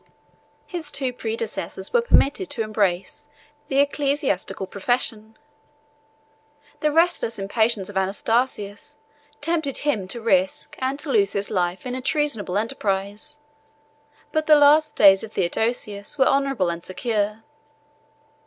His two predecessors were permitted to embrace the ecclesiastical profession: the restless impatience of Anastasius tempted him to risk and to lose his life in a treasonable enterprise; but the last days of Theodosius were honorable and secure.